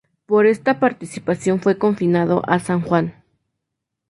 Por esta participación fue confinado a San Juan.